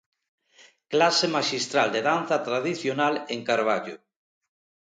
Clase maxistral de danza tradicional en Carballo.